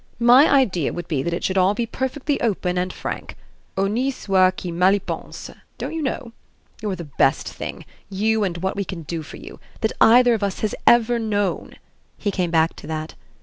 My idea would be that it should all be perfectly open and frank. Honi soit qui mal y pense, don't you know? You're the best thing you and what we can do for you that either of us has ever known," he came back to that.